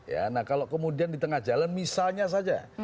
ya nah kalau kemudian di tengah jalan misalnya saja